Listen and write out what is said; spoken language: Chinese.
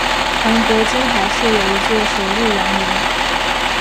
韩国金海市有一座首露王陵。